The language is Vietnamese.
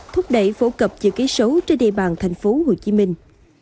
thúc đẩy phổ cập chữ ký số trên địa bàn thành phố hồ chí minh